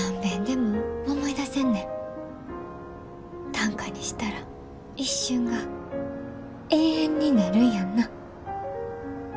短歌にしたら一瞬が永遠になるんやんな？